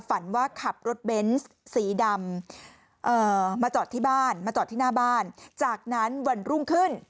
ฝันว่าขับรถเบนส์สีดำมาจอดที่บ้านมาจอดที่หน้าบ้านจากนั้นวันรุ่งขึ้น